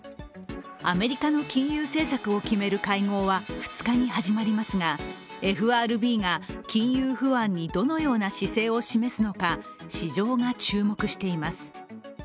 アメリカの金融政策を決める会合は２日に始まりますが、ＦＲＢが金融不安にどのような姿勢を示すのか、市場が注目しています。